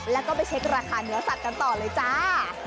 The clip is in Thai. แล้วก็ไปเช็คราคาเนื้อสัตว์กันต่อเลยจ้า